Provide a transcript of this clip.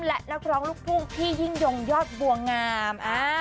และนักร้องลูกทุ่งพี่ยิ่งยงยอดบัวงาม